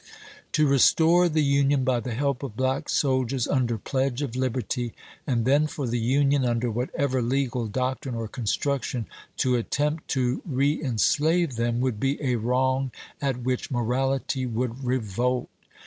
To restore the Union by the help of black soldiers under pledge of liberty, and then for the Union, under whatever legal doctrine or construction, to attempt to reen slave them, would be a wrong at which morality would revolt.